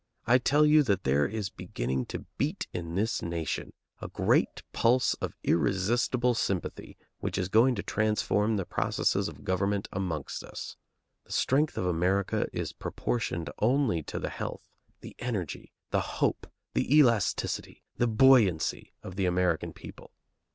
I tell you that there is beginning to beat in this nation a great pulse of irresistible sympathy which is going to transform the processes of government amongst us. The strength of America is proportioned only to the health, the energy, the hope, the elasticity, the buoyancy of the American people.